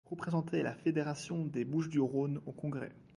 Il représentait la Fédération des Bouches-du-Rhône au congrès.